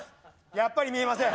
やっぱり見えません。